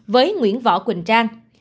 với nguyễn võ quỳnh trang